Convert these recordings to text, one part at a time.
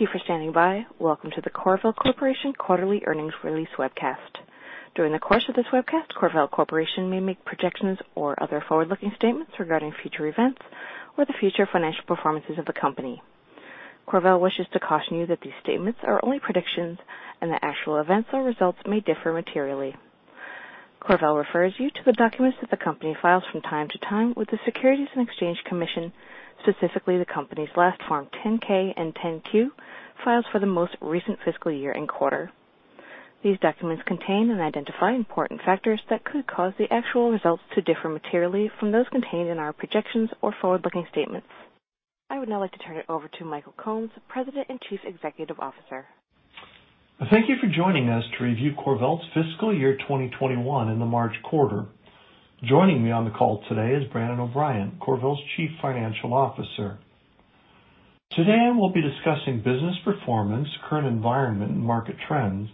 Thank you for standing by. Welcome to the CorVel Corporation quarterly earnings release webcast. During the course of this webcast, CorVel Corporation may make predictions or other forward-looking statements regarding future events or the future financial performances of the company. CorVel wishes to caution you that these statements are only predictions and the actual events or results may differ materially. CorVel refers you to the documents that the company files from time to time with the Securities and Exchange Commission, specifically the company's last Form 10-K and 10-Q filed for the most recent fiscal year and quarter. These documents contain and identify important factors that could cause the actual results to differ materially from those contained in our projections or forward-looking statements. I would now like to turn it over to Michael Combs, President and Chief Executive Officer. Thank you for joining us to review CorVel's fiscal year 2021 and the March quarter. Joining me on the call today is Brandon O'Brien, CorVel's Chief Financial Officer. Today, we'll be discussing business performance, current environment and market trends,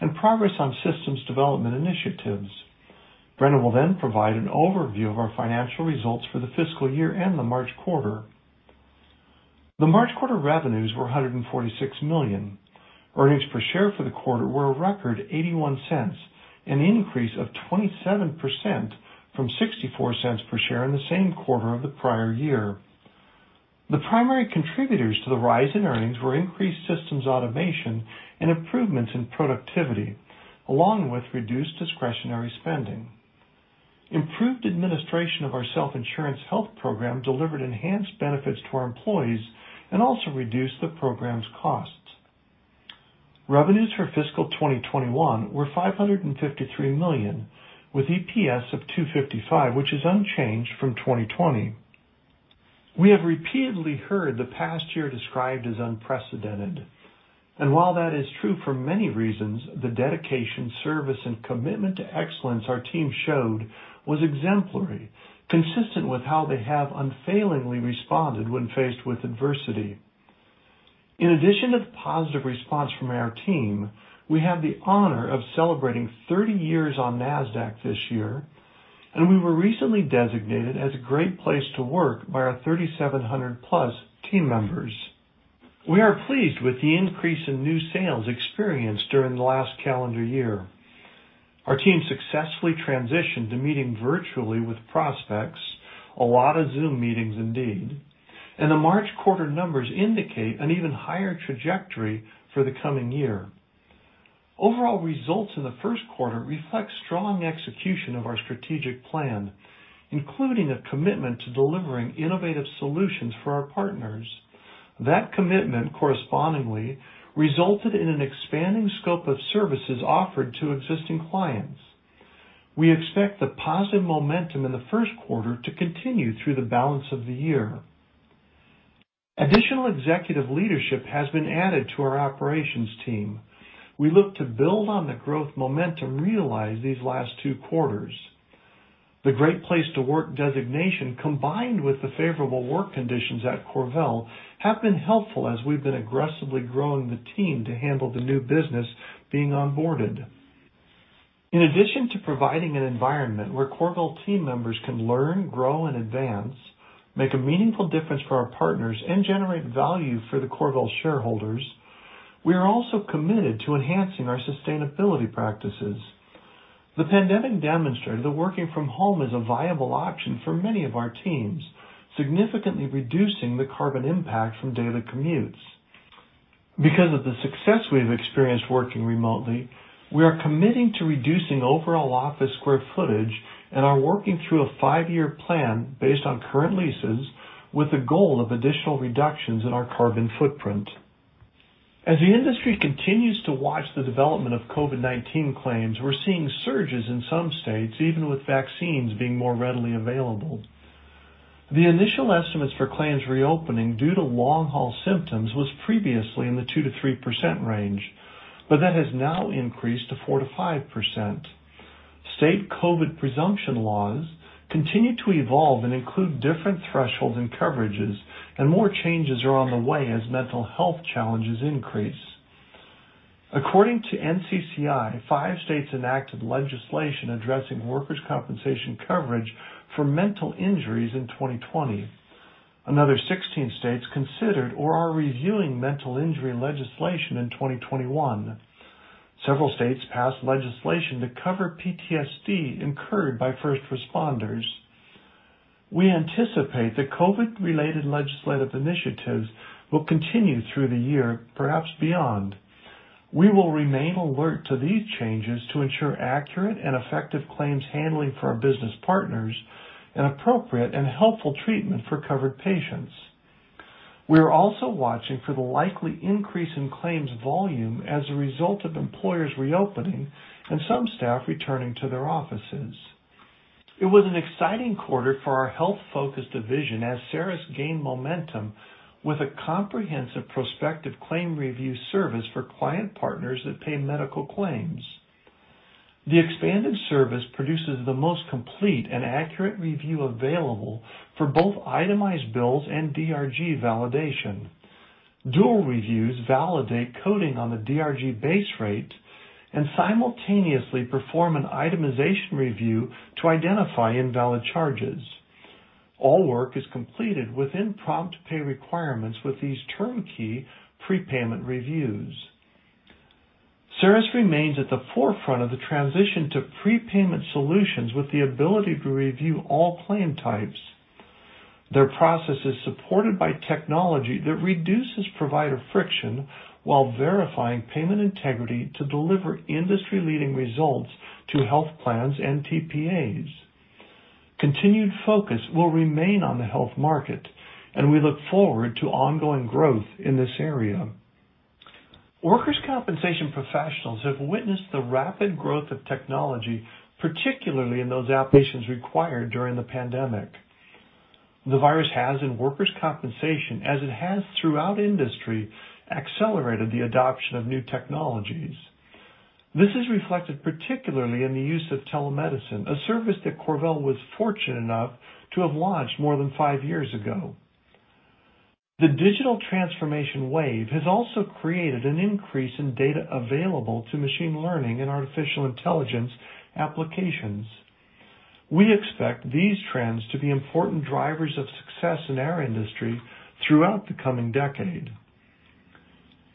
and progress on systems development initiatives. Brandon will then provide an overview of our financial results for the fiscal year and the March quarter. The March quarter revenues were $146 million. Earnings per share for the quarter were a record $0.81, an increase of 27% from $0.64 per share in the same quarter of the prior year. The primary contributors to the rise in earnings were increased systems automation and improvements in productivity, along with reduced discretionary spending. Improved administration of our self-insurance health program delivered enhanced benefits to our employees and also reduced the program's costs. Revenues for fiscal 2021 were $553 million, with EPS of $2.55, which is unchanged from 2020. We have repeatedly heard the past year described as unprecedented, and while that is true for many reasons, the dedication, service, and commitment to excellence our team showed was exemplary, consistent with how they have unfailingly responded when faced with adversity. In addition to positive response from our team, we have the honor of celebrating 30 years on NASDAQ this year, and we were recently designated as a Great Place to Work by our 3,700+ team members. We are pleased with the increase in new sales experienced during the last calendar year. Our team successfully transitioned to meeting virtually with prospects, a lot of Zoom meetings indeed, and the March quarter numbers indicate an even higher trajectory for the coming year. Overall results in the first quarter reflect strong execution of our strategic plan, including a commitment to delivering innovative solutions for our partners. That commitment, correspondingly, resulted in an expanding scope of services offered to existing clients. We expect the positive momentum in the first quarter to continue through the balance of the year. Additional executive leadership has been added to our operations team. We look to build on the growth momentum realized these last two quarters. The Great Place to Work designation, combined with the favorable work conditions at CorVel, have been helpful as we've been aggressively growing the team to handle the new business being onboarded. In addition to providing an environment where CorVel team members can learn, grow, and advance, make a meaningful difference for our partners, and generate value for the CorVel shareholders, we are also committed to enhancing our sustainability practices. The pandemic demonstrated that working from home is a viable option for many of our teams, significantly reducing the carbon impact from daily commutes. Because of the success we've experienced working remotely, we are committing to reducing overall office square footage and are working through a five-year plan based on current leases with a goal of additional reductions in our carbon footprint. As the industry continues to watch the development of COVID-19 claims, we're seeing surges in some states, even with vaccines being more readily available. The initial estimates for claims reopening due to long-haul symptoms was previously in the 2%-3% range, but that has now increased to 4%-5%. State COVID presumption laws continue to evolve and include different thresholds and coverages, and more changes are on the way as mental health challenges increase. According to NCCI, five states enacted legislation addressing workers' compensation coverage for mental injuries in 2020. Another 16 states considered or are reviewing mental injury legislation in 2021. Several states passed legislation to cover PTSD incurred by first responders. We anticipate that COVID-related legislative initiatives will continue through the year, perhaps beyond. We will remain alert to these changes to ensure accurate and effective claims handling for our business partners and appropriate and helpful treatment for covered patients. We are also watching for the likely increase in claims volume as a result of employers reopening and some staff returning to their offices. It was an exciting quarter for our health-focused division as CERIS gained momentum with a comprehensive prospective claim review service for client partners that pay medical claims. The expanded service produces the most complete and accurate review available for both itemized bills and DRG validation. Dual reviews validate coding on the DRG base rates and simultaneously perform an itemization review to identify invalid charges. All work is completed within prompt pay requirements with these turnkey prepayment reviews. CERIS remains at the forefront of the transition to prepayment solutions with the ability to review all claim types. Their process is supported by technology that reduces provider friction while verifying payment integrity to deliver industry-leading results to health plans and TPAs. Continued focus will remain on the health market, and we look forward to ongoing growth in this area. Workers' compensation professionals have witnessed the rapid growth of technology, particularly in those applications required during the pandemic. The virus has, in workers' compensation, as it has throughout industry, accelerated the adoption of new technologies. This is reflected particularly in the use of telemedicine, a service that CorVel was fortunate enough to have launched more than five years ago. The digital transformation wave has also created an increase in data available to machine learning and artificial intelligence applications. We expect these trends to be important drivers of success in our industry throughout the coming decade.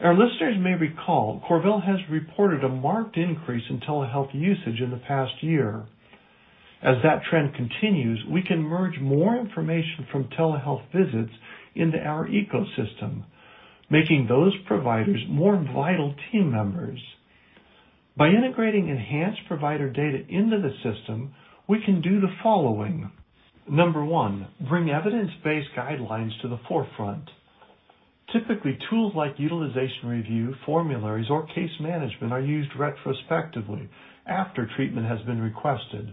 Our listeners may recall CorVel has reported a marked increase in telehealth usage in the past year. As that trend continues, we can merge more information from telehealth visits into our ecosystem, making those providers more vital team members. By integrating enhanced provider data into the system, we can do the following. Number one, bring evidence-based guidelines to the forefront. Typically, tools like utilization review, formularies, or case management are used retrospectively after treatment has been requested.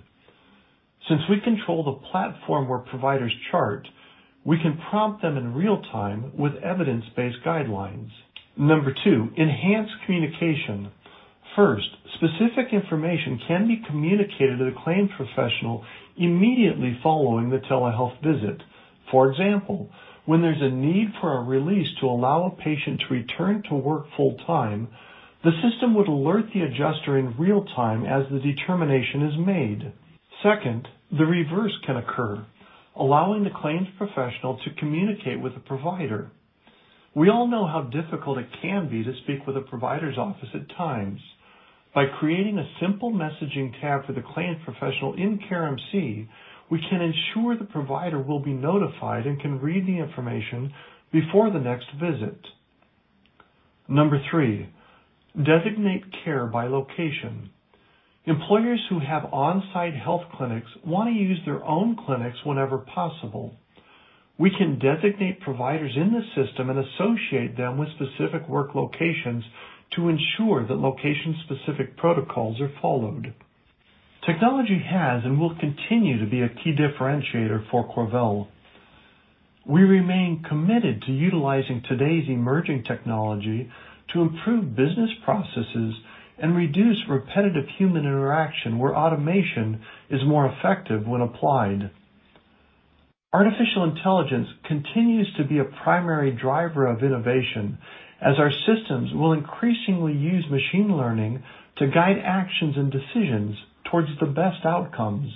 Since we control the platform where providers chart, we can prompt them in real-time with evidence-based guidelines. Number two, enhance communication. First, specific information can be communicated to the claims professional immediately following the telehealth visit. For example, when there's a need for a release to allow a patient to return to work full-time, the system would alert the adjuster in real-time as the determination is made. Second, the reverse can occur, allowing the claims professional to communicate with the provider. We all know how difficult it can be to speak with a provider's office at times. By creating a simple messaging tab for the claims professional in CareMC, we can ensure the provider will be notified and can read the information before the next visit. Number three, designate care by location. Employers who have on-site health clinics want to use their own clinics whenever possible. We can designate providers in the system and associate them with specific work locations to ensure that location-specific protocols are followed. Technology has and will continue to be a key differentiator for CorVel. We remain committed to utilizing today's emerging technology to improve business processes and reduce repetitive human interaction where automation is more effective when applied. Artificial intelligence continues to be a primary driver of innovation as our systems will increasingly use machine learning to guide actions and decisions towards the best outcomes.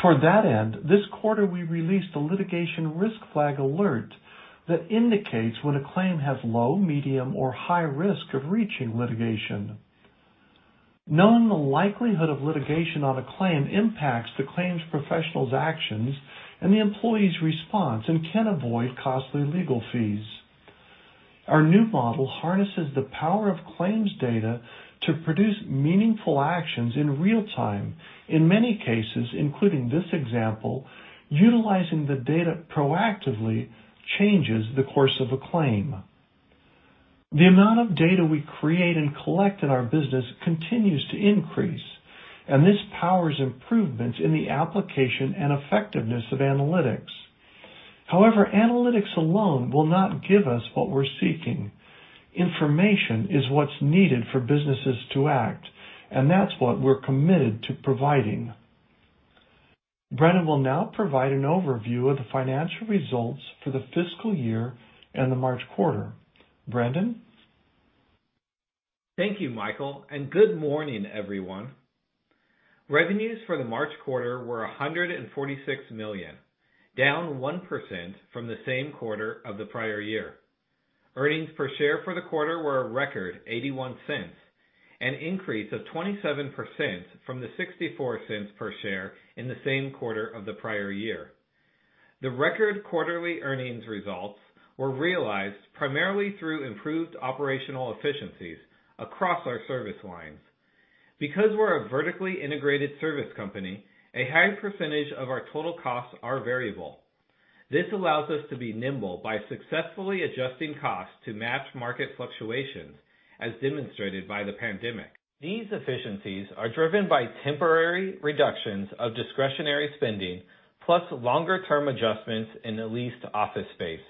Toward that end, this quarter, we released a litigation risk flag alert that indicates when a claim has low, medium, or high risk of reaching litigation. Knowing the likelihood of litigation on a claim impacts the claims professional's actions and the employee's response and can avoid costly legal fees. Our new model harnesses the power of claims data to produce meaningful actions in real-time. In many cases, including this example, utilizing the data proactively changes the course of a claim. The amount of data we create and collect in our business continues to increase. This powers improvements in the application and effectiveness of analytics. However, analytics alone will not give us what we're seeking. Information is what's needed for businesses to act, and that's what we're committed to providing. Brandon will now provide an overview of the financial results for the fiscal year and the March quarter. Brandon? Thank you, Michael, and good morning, everyone. Revenues for the March quarter were $146 million, down 1% from the same quarter of the prior year. Earnings per share for the quarter were a record $0.81, an increase of 27% from the $0.64 per share in the same quarter of the prior year. The record quarterly earnings results were realized primarily through improved operational efficiencies across our service lines. Because we're a vertically integrated service company, a high percentage of our total costs are variable. This allows us to be nimble by successfully adjusting costs to match market fluctuations, as demonstrated by the pandemic. These efficiencies are driven by temporary reductions of discretionary spending, plus longer-term adjustments in the leased office space.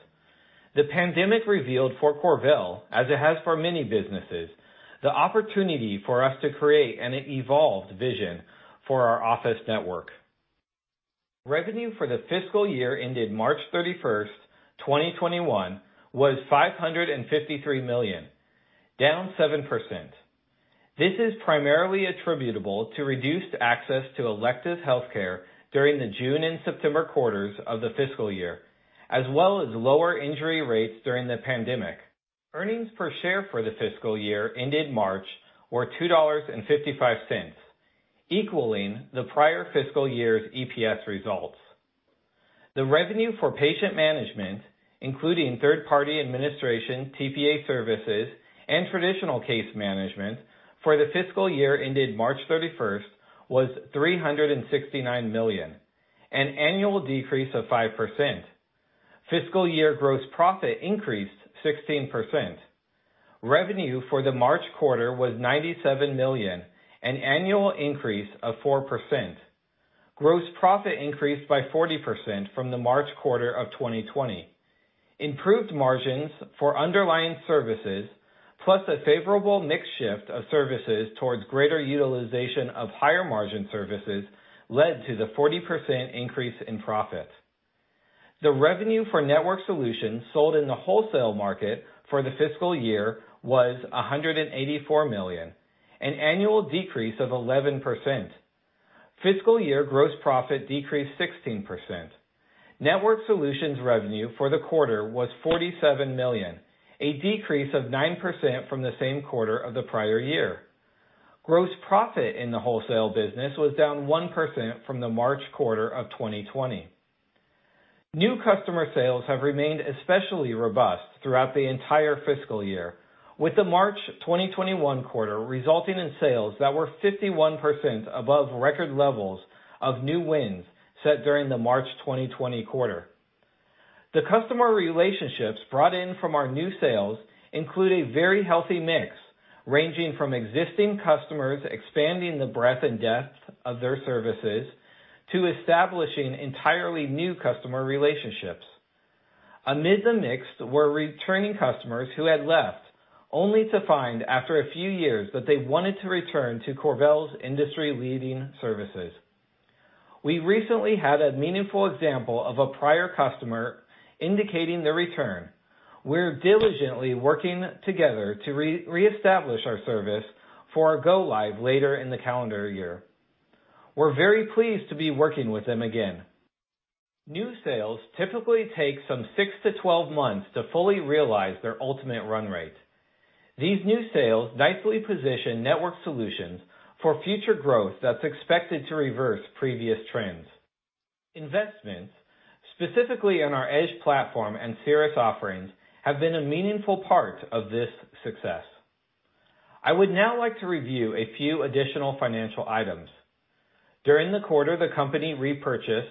The pandemic revealed for CorVel, as it has for many businesses, the opportunity for us to create an evolved vision for our office network. Revenue for the fiscal year ended March 31st, 2021, was $553 million, down 7%. This is primarily attributable to reduced access to elective healthcare during the June and September quarters of the fiscal year, as well as lower injury rates during the pandemic. Earnings per share for the fiscal year ended March were $2.55, equaling the prior fiscal year's EPS results. The revenue for patient management, including third party administration, TPA services, and traditional case management for the fiscal year ended March 31st was $369 million, an annual decrease of 5%. Fiscal year gross profit increased 16%. Revenue for the March quarter was $97 million, an annual increase of 4%. Gross profit increased by 40% from the March quarter of 2020. Improved margins for underlying services, plus a favorable mix shift of services towards greater utilization of higher margin services led to the 40% increase in profits. The revenue for network solutions sold in the wholesale market for the fiscal year was $184 million, an annual decrease of 11%. Fiscal year gross profit decreased 16%. Network solutions revenue for the quarter was $47 million, a decrease of 9% from the same quarter of the prior year. Gross profit in the wholesale business was down 1% from the March quarter of 2020. New customer sales have remained especially robust throughout the entire fiscal year, with the March 2021 quarter resulting in sales that were 51% above record levels of new wins set during the March 2020 quarter. The customer relationships brought in from our new sales include a very healthy mix, ranging from existing customers expanding the breadth and depth of their services to establishing entirely new customer relationships. Amid the mix were returning customers who had left, only to find after a few years that they wanted to return to CorVel's industry-leading services. We recently had a meaningful example of a prior customer indicating their return. We're diligently working together to reestablish our service for our go live later in the calendar year. We're very pleased to be working with them again. New sales typically take some 6-12 months to fully realize their ultimate run rate. These new sales nicely position network solutions for future growth that's expected to reverse previous trends. Investments, specifically on our Edge platform and CERIS offerings, have been a meaningful part of this success. I would now like to review a few additional financial items. During the quarter, the company repurchased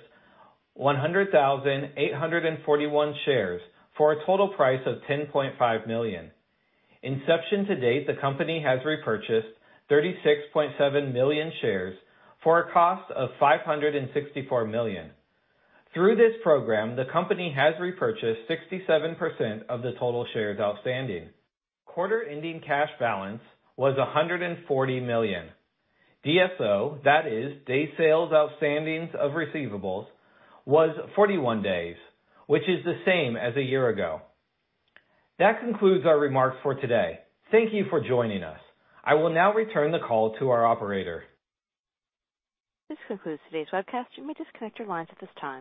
100,841 shares for a total price of $10.5 million. Inception to date, the company has repurchased 36.7 million shares for a cost of $564 million. Through this program, the company has repurchased 67% of the total shares outstanding. Quarter-ending cash balance was $140 million. DSO, that is, days sales outstandings of receivables, was 41 days, which is the same as a year ago. That concludes our remarks for today. Thank you for joining us. I will now return the call to our operator. This concludes today's webcast. You may disconnect your lines at this time.